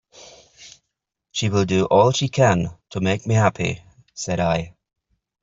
"She will do all she can to make me happy," said I.